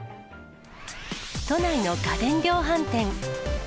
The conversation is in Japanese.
都内の家電量販店。